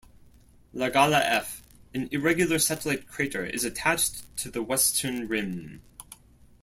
Lagalla F, an irregular satellite crater, is attached to the western rim.